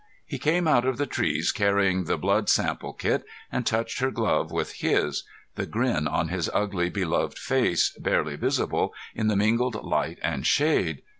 He came out of the trees carrying the blood sample kit, and touched her glove with his, the grin on his ugly beloved face barely visible in the mingled light and shade.